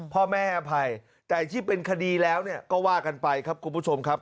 พ่อแม่ให้อภัยแต่ที่เป็นคดีแล้วเนี่ยก็ว่ากันไปครับคุณผู้ชมครับ